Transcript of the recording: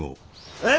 え！？